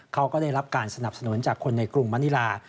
เขาก็ได้รับการสนับสนุนจากคนในกรุงมณิลา